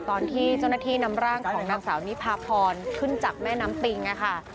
ตอนที่เจ้าหน้าที่นำร่างของนางสาวนิพาพรขึ้นจากแม่น้ำปิงค่ะ